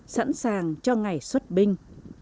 sẵn sàng cho ngày xuất binh